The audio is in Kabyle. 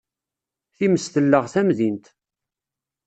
Times telleɣ tamdint.